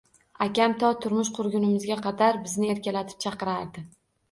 Akam to turmush qurgunimizga qadar bizni erkalatib chaqirardi